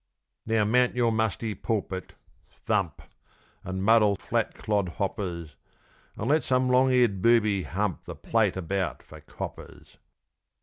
Now mount your musty pulpit thump, And muddle flat clodhoppers; And let some long eared booby "hump" The plate about for coppers.